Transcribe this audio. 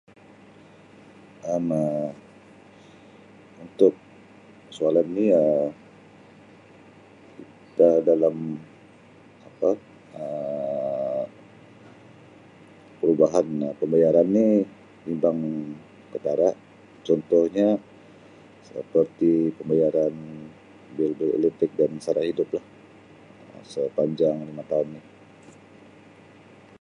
Um Untuk soalan ni Um kita dalam apa Um perubahan Um pembayaran ni perubahan ketara contohnya seperti pembayaran bil-bil elektrik dan sara hidup lah sepanjang lima tahun ini.